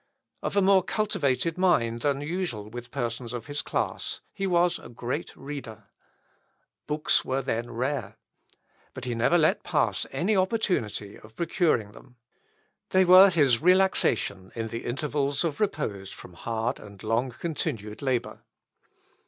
Of a more cultivated mind than usual with persons of his class, he was a great reader. Books were then rare. But he never let pass any opportunity of procuring them. They were his relaxation in the intervals of repose from hard and long continued labour.